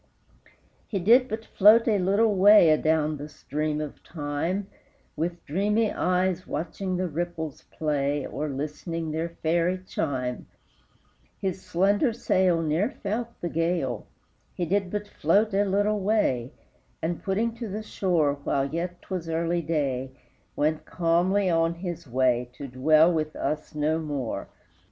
He did but float a little way Adown the stream of time, With dreamy eyes watching the ripples play, Or listening their fairy chime; His slender sail Ne'er felt the gale; He did but float a little way, And, putting to the shore While yet 'twas early day, Went calmly on his way, To dwell with us no more!